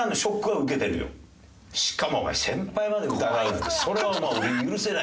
しかもお前先輩まで疑うってそれはお前俺許せないよ。